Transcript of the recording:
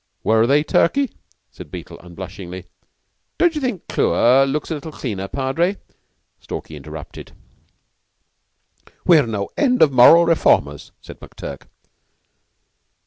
"Were they, Turkey?' said Beetle unblushingly. "Don't you think Clewer looks a little cleaner, Padre?" Stalky interrupted. "We're no end of moral reformers," said McTurk.